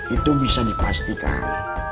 itu bisa dipastikan